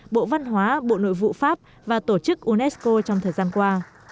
bộ văn hóa bộ nội vụ pháp và tổ chức unesco trong thời gian qua